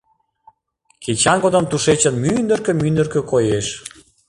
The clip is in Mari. Кечан годым тушечын мӱндыркӧ-мӱндыркӧ коеш.